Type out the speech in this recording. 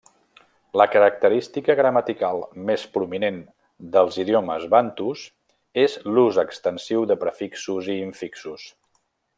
La característica gramatical més prominent dels idiomes bantus és l'ús extensiu de prefixos i infixos.